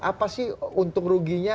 apa sih untung ruginya